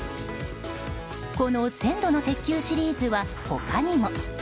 この１０００度の鉄球シリーズは他にも。